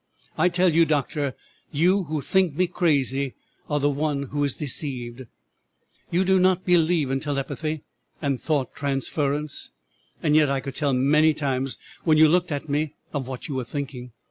I tell you, doctor, you who think me crazy are the one who is deceived. You do not believe in telepathy and thought transference, and yet I could tell many times when you looked at me of what you were thinking.